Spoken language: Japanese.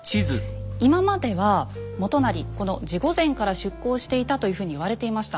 今までは元就この地御前から出港していたというふうに言われていました。